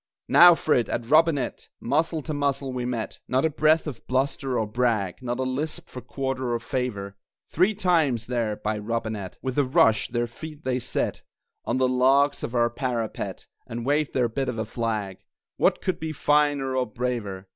Now for it, at Robinett! Muzzle to muzzle we met (Not a breath of bluster or brag, Not a lisp for quarter or favor) Three times, there, by Robinett, With a rush, their feet they set On the logs of our parapet, And waved their bit of a flag What could be finer or braver!